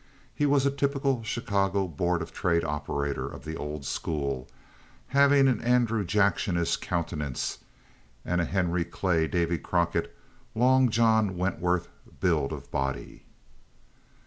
He was a typical Chicago Board of Trade operator of the old school, having an Andrew Jacksonish countenance, and a Henry Clay—Davy Crockett—"Long John" Wentworth build of body.